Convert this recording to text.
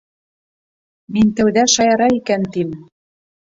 Мин тәүҙә шаяра икән, тим.